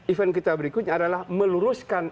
event kita berikutnya adalah meluruskan